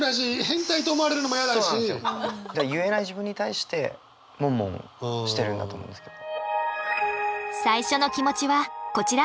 言えない自分に対して悶悶してるんだと思うんですけど。